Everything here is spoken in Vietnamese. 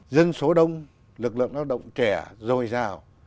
dân số đông lực lượng lao động trẻ dồi dào